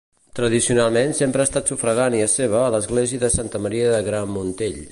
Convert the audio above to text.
Tradicionalment sempre ha estat sufragània seva l'església de Santa Maria de Gramuntell.